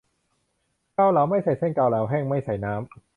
เกาเหลา ไม่ใส่เส้น เกาเหลาแห้ง ไม่ใส่น้ำ